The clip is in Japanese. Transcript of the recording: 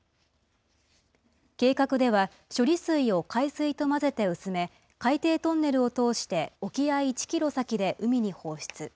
計画では、処理水を海水と混ぜて薄め、海底トンネルを通して沖合１キロ先で海に放出。